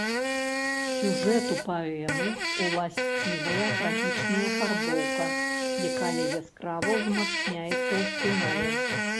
Сюжэту паэмы ўласцівая трагічная афарбоўка, якая яскрава ўзмацняецца ў фінале.